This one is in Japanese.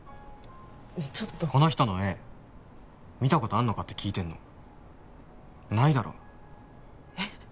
ねえちょっとこの人の絵見たことあんのかって聞いてんのないだろえっ